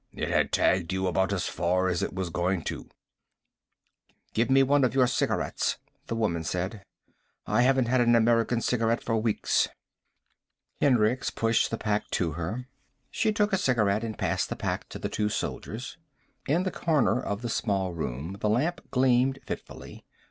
"It had tagged you about as far as it was going to." "Give me one of your cigarettes," the woman said. "I haven't had an American cigarette for weeks." Hendricks pushed the pack to her. She took a cigarette and passed the pack to the two soldiers. In the corner of the small room the lamp gleamed fitfully.